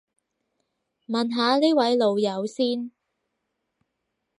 問下呢位老友先